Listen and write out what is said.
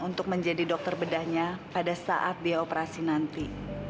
untuk menjadi dokter bedahnya pada saat dia operasi nanti